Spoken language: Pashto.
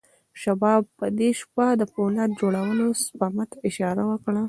شواب په دې شپه د پولاد جوړولو سپما ته اشاره وکړه